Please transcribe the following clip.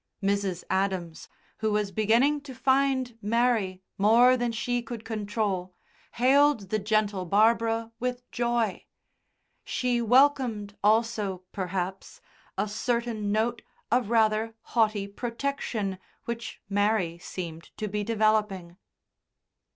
Mrs. Adams, who was beginning to find Mary more than she could control, hailed the gentle Barbara with joy; she welcomed also perhaps a certain note of rather haughty protection which Mary seemed to be developing.